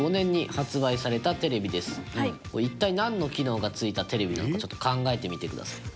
隆貴君：一体なんの機能が付いたテレビなのかちょっと考えてみてください。